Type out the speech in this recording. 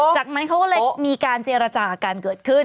จากนั้นเขาก็เลยมีการเจรจากันเกิดขึ้น